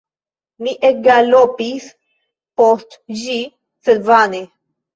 Mi ekgalopis post ĝi, sed vane.